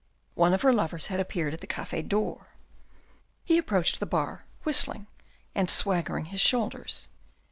One of her lovers had appeared at the cafe door. He approached the bar, whistling, and swaggering his shoulders.